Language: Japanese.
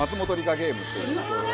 ゲームっていう。